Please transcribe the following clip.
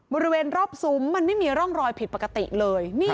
บริเวณรอบซุ้มมันไม่มีร่องรอยผิดปกติเลย